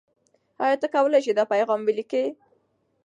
آیا ته کولای سې دا پیغام ولیکې؟